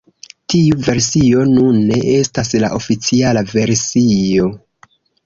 Tiu versio nune estas la oficiala versio.